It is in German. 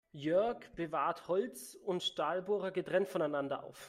Jörg bewahrt Holz- und Stahlbohrer getrennt voneinander auf.